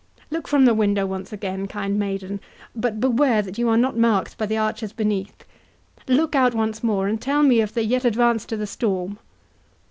—Look from the window once again, kind maiden, but beware that you are not marked by the archers beneath—Look out once more, and tell me if they yet advance to the storm."